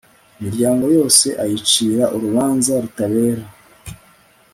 imiryango yose ayicira urubanza rutabera